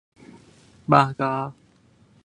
八嘎！